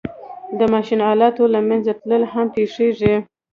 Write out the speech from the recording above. د ماشین آلاتو له منځه تلل هم پېښېږي